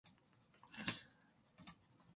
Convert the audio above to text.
그래서 그는 또다시 잠잠하고 고름 끝만 돌돌 말고 있었다.